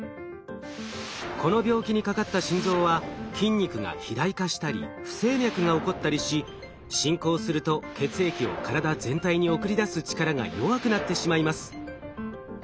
この病気にかかった心臓は筋肉が肥大化したり不整脈が起こったりし進行すると血液を体全体に送り出す力が弱くなってしまいます。